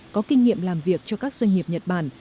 có kinh nghiệm làm việc cho các doanh nghiệp nhật bản